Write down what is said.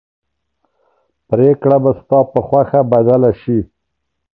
پرېکړه به ستا په خوښه بدله شي.